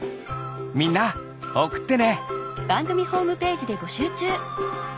みんなおくってね！